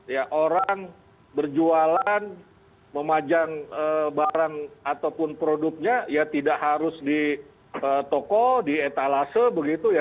ya orang berjualan memajang barang ataupun produknya ya tidak harus di toko di etalase begitu ya